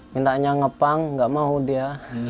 mintanya ngepang nggak mau dia